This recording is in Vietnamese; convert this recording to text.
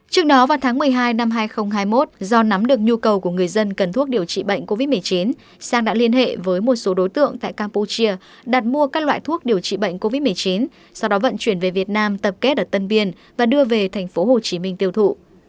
trước đó vào tháng một mươi hai năm hai nghìn hai mươi một do nắm được nhu cầu của người dân cần thuốc điều trị bệnh covid một mươi chín sang đã liên hệ với một số đối tượng tại campuchia đặt mua các loại thuốc điều trị bệnh covid một mươi chín sau đó vận chuyển về việt nam tập kết ở tân biên và đưa về tp hcm tiêu thụ